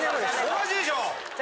おかしいでしょ！